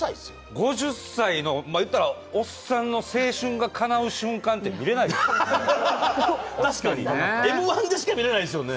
５０歳の、言ったらおっさんの青春がかなう瞬間って、見れないですからね。